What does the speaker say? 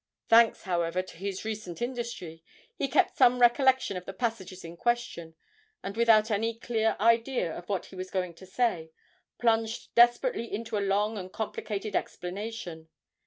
Thanks, however, to his recent industry, he kept some recollection of the passages in question, and without any clear idea of what he was going to say, plunged desperately into a long and complicated explanation.